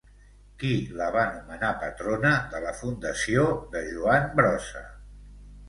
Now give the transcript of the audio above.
Qui la va nomenar patrona de la Fundació de Joan Brossa?